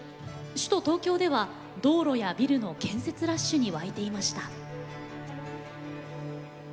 首都・東京では道路やビルの建設ラッシュにわいていました。